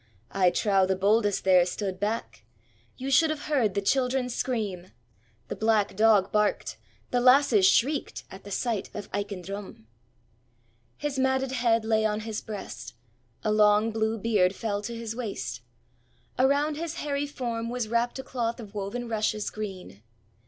I trow the boldest there stood back! You should have heard the children scream. The black dog barked, the lasses shrieked, at the sight of Aiken Drum. His matted head lay on his breast. A long blue beard fell to his waist. Around his hairy form was wrapped a cloth of woven rushes green.